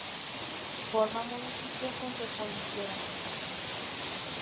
Forma municipio junto con Litera.